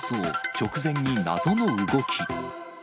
直前に謎の動き。